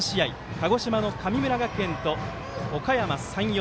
鹿児島の神村学園とおかやま山陽。